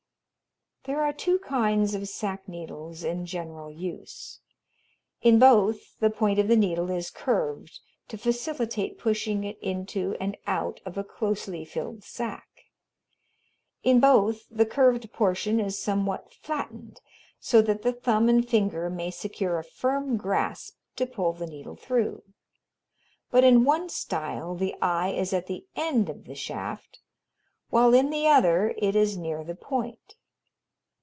There are two kinds of sack needles in general use. In both, the point of the needle is curved to facilitate pushing it into and out of a closely filled sack; in both, the curved portion is somewhat flattened so that the thumb and finger may secure a firm grasp to pull the needle through; but in one style the eye is at the end of the shaft while in the other it is near the point.